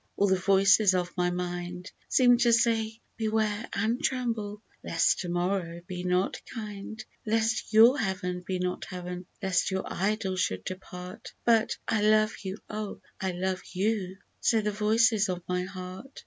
All the voices of my mind Seem to say, " Beware and tremble, lest to morrow be not kind ; Lest your Heaven be not Heaven — lest your Idol should depart ;" But " I love you, oh ! I love you /" say the voices of my heart.